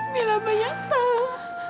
mila banyak salah